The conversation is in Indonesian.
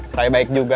saya baik juga